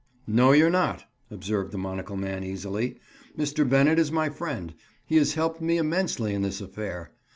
"No, you're not," observed the monocle man easily. "Mr. Bennett is my friend. He has helped me immensely in this affair.